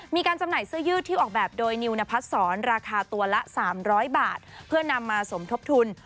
จำหน่ายเสื้อยืดที่ออกแบบโดยนิวนพัดศรราคาตัวละ๓๐๐บาทเพื่อนำมาสมทบทุน